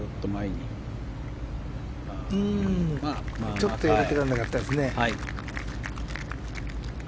ちょっと寄り切らなかったですね。